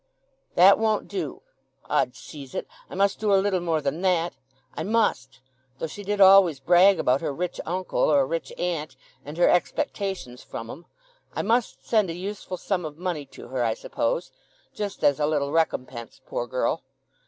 "That won't do. 'Od seize it, I must do a little more than that! I must—though she did always brag about her rich uncle or rich aunt, and her expectations from 'em—I must send a useful sum of money to her, I suppose—just as a little recompense, poor girl....